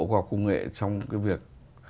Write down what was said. học cung nghệ trong cái việc